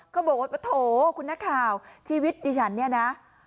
เขาบอกว่าโถคุณนักข่าวชีวิตดิฉันเนี่ยนะ